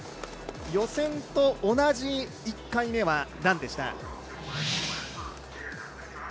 予選と同じ１回目はランでした。